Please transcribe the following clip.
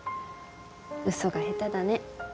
ウソが下手だね。